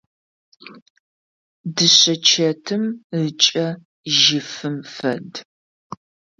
Дышъэчэтым ыкӏэ жьыфым фэд.